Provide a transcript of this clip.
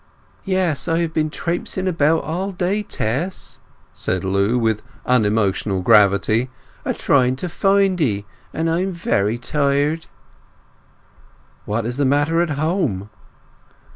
"Yes, I have been traipsing about all day, Tess," said Lu, with unemotional gravity, "a trying to find 'ee; and I'm very tired." "What is the matter at home?"